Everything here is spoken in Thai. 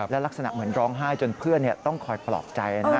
และลักษณะเหมือนร้องไห้จนเพื่อนต้องคอยปลอบใจ